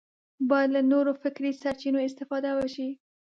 باید له نورو فکري سرچینو استفاده وشي